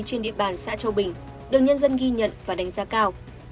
trên địa bàn xã châu bình được nhân dân ghi nhận và đánh giá cao